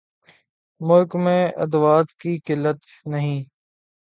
ملک میں ادویات کی قلت نہیں